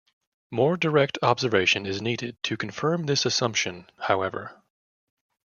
More direct observation is needed to confirm this assumption, however.